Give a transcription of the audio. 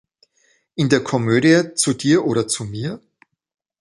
In der Komödie "Zu Dir oder zu mir?